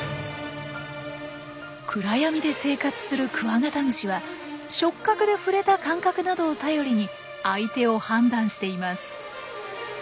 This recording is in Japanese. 暗闇で生活するクワガタムシは触角で触れた感覚などを頼りに相手を判断しています。